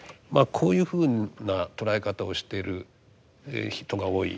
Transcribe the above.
こういうふうな捉え方をしている人が多い。